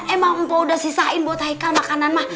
emang mpa udah sisain buat aikal makanan mas